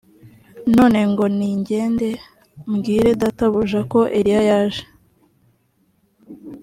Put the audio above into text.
none ngo ningende mbwire databuja ko eliya aje